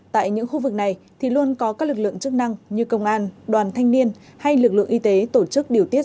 tại những khu vực này thì luôn có các lực lượng chức năng như công an đoàn thanh niên hay lực lượng y tế tổ chức điều tiết